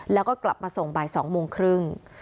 แล้วก็กลับมาส่งบ่าย๒๓๐น